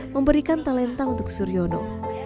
memberikan talenta untuk suryono